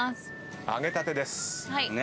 揚げたてです。